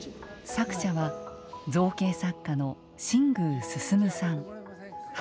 作者は造形作家の新宮晋さん８６歳。